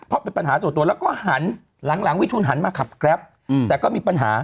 เพราะเป็นปัญหาส่วนตัวแล้วก็หันหลังวิทูลหันมาขับแกรปแต่ก็มีปัญหา